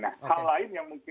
nah hal lain yang mungkin